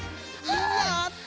やった！